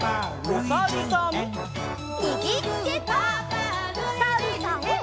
おさるさん。